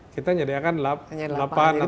kita menyediakan delapan atau sembilan